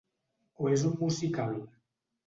O és un musical?